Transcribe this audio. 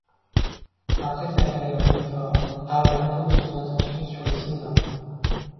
Après sa carrière d'homme fort, Ahola tourne son attention sur le cinéma.